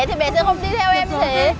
thì mẹ sẽ không đi theo em như thế